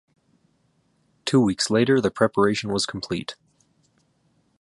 Two weeks later the preparation was complete.